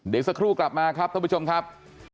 เดี๋ยวสักครู่กลับมาครับท่านผู้ชมครับ